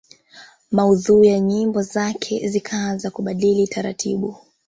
Maudhui ya nyimbo zake zikaanza kubadilika taratibu